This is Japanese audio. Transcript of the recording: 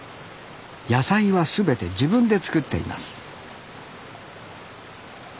野菜は全て自分で作っています